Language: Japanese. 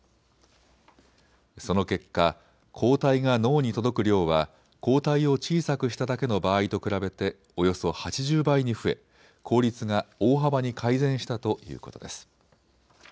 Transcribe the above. その結果、抗体が脳に届く量は抗体を小さくしただけの場合と比べておよそ８０倍に増え効率が大幅に改善したということです。